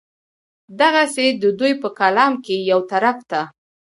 دغسې د دوي پۀ کلام کښې کۀ يو طرف ته